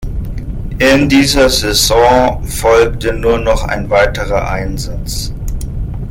In dieser Saison folgte nur noch ein weiterer Einsatz.